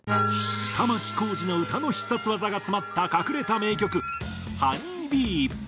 玉置浩二の歌の必殺技が詰まった隠れた名曲『Ｈｏｎｅｙｂｅｅ』。